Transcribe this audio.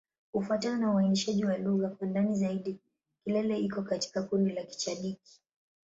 Kufuatana na uainishaji wa lugha kwa ndani zaidi, Kilele iko katika kundi la Kichadiki.